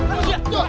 jauh jauh jauh